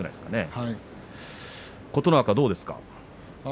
琴ノ若はどうですか？